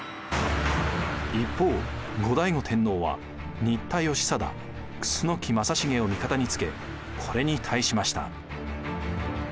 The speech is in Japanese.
一方後醍醐天皇は新田義貞楠木正成を味方につけこれに対しました。